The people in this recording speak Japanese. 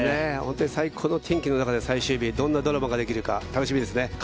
本当に最高の天気の中で最終日どんなドラマができるか楽しみですね。